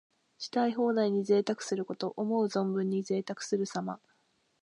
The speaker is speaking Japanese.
したい放題に贅沢すること。思う存分にぜいたくするさま。